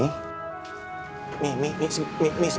ya sudah pak